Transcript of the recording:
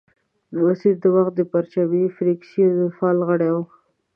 مسیر د وخت د پرچمي فرکسیون فعال غړی وو.